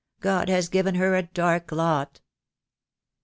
God has given her a dark lot."